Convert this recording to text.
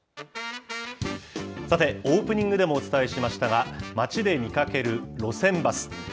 さて、オープニングでもお伝えしましたが、街で見かける路線バス。